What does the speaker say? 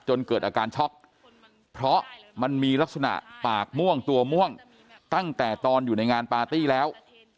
เกิดอาการช็อกเพราะมันมีลักษณะปากม่วงตัวม่วงตั้งแต่ตอนอยู่ในงานปาร์ตี้แล้ว